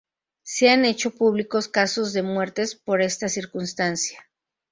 Se han hecho públicos casos de muertes por esta circunstancia.